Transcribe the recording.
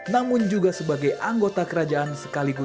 namun juga sebagai anggota kerajaan sekaligus